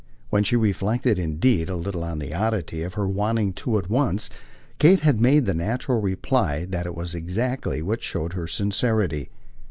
When she reflected indeed a little on the oddity of her wanting two at once Kate had the natural reply that it was exactly what showed her sincerity.